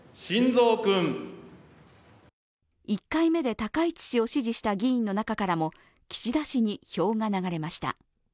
１回目で高市氏を支持した議員の中からも岸田氏に票が流れました。